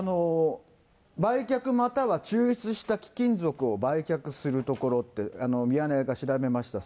売却または抽出した貴金属を売却する所って、ミヤネ屋が調べました。